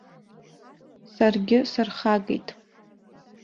Саргьы сархагеит.